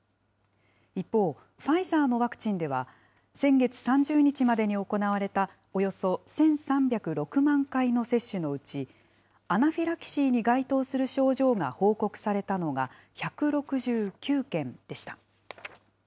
一方、ファイザーのワクチンでは、先月３０日までに行われた、およそ１３０６万回の接種のうち、アナフィラキシーに該当する症状が報告されたのが１６９件でした。